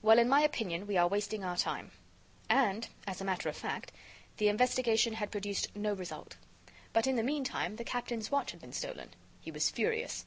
"Well, in my opinion, we are wasting our time." And, as a matter of fact, the investigation had produced no result. But, in the meantime, the captain's watch had been stolen. He was furious.